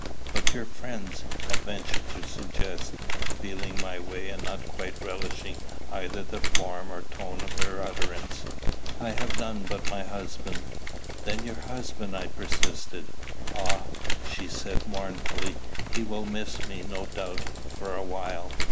"But your friends?" I ventured to suggest, feeling my way, and not quite relishing either the form or tone of her utterance. "I have none but my husband." "Then your husband?" I persisted. "Ah!" she said mournfully, "he will miss me, no doubt, for a while.